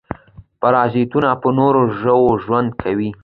پرازیتونه په نورو ژویو ژوند کوي